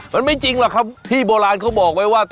มันไม่จริงหรอกครับที่โบราณเขาบอกไว้ว่า